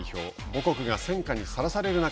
母国が戦火にさらされる中